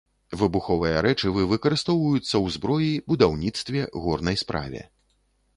Выбуховыя рэчывы выкарыстоўваюцца ў зброі, будаўніцтве, горнай справе.